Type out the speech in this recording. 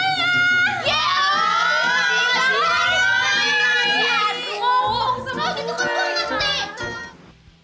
itu kan gue ngetik